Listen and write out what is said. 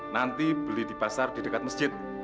nanti beli di pasar di dekat masjid